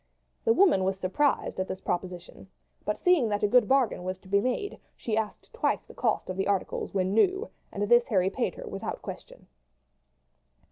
The woman was surprised at this proposition, but seeing that a good bargain was to be made she asked twice the cost of the articles when new, and this Harry paid her without question.